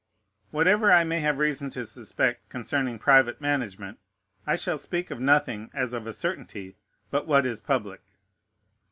Whatever I may have reason to suspect concerning private management, I shall speak of nothing as of a certainty but what is public.